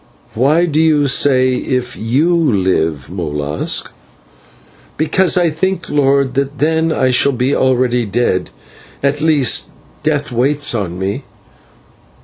"Why do you say 'if /you/ live,' Molas?" "Because I think, lord, that then I shall be already dead; at least, death waits on me."